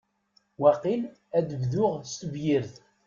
Waqil ad bduɣ s tebyirt.